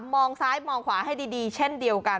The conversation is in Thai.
มองซ้ายมองขวาให้ดีเช่นเดียวกัน